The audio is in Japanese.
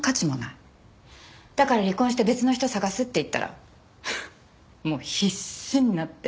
だから離婚して別の人探すって言ったらもう必死になって。